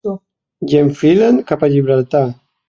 I enfilen cap a Gibraltar.